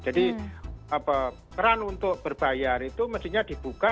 jadi peran untuk berbayar itu mestinya dibuka